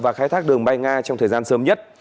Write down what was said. và khai thác đường bay nga trong thời gian sớm nhất